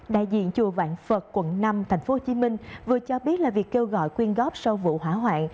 đại diện chùa vạn phật quận năm tp hcm vừa cho biết là việc kêu gọi quyên góp sau vụ hỏa hoạn